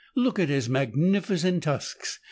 Look at his magnificent tusks